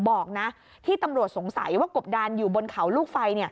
บอกนะที่ตำรวจสงสัยว่ากบดานอยู่บนเขาลูกไฟ